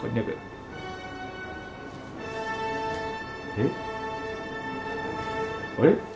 えっ？あれ？